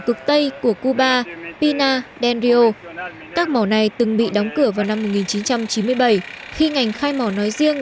cực tây của cuba pina del rio các mỏ này từng bị đóng cửa vào năm một nghìn chín trăm chín mươi bảy khi ngành khai mỏ nói riêng